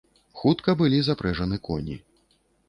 Хутка былі запрэжаны коні.